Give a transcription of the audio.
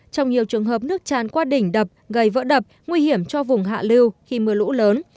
trong nhiều trường hợp nước tràn qua đỉnh đập gây vỡ đập nguy hiểm cho vùng hạ lưu khi mưa lũ lớn